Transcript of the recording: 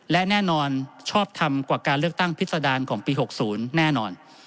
และแน่นอนชอบทำกว่าการเลือกตั้งพิษดารของปี๖๐แน่นอน